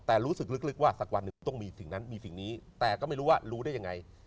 แต่รู้สึกลึกว่าสักวันหนึ่งต้องมีสิ่งนั้นมีสิ่งนี้แต่ก็ไม่รู้ว่ารู้ได้ยังไง